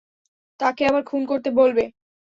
তাকে আবার খুন করতে বলবে।